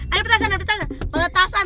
ada petasan petasan petasan